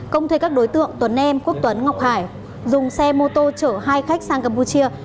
công thuê các đối tượng tuấn em quốc tuấn ngọc hải dùng xe mô tô chở hai khách sang campuchia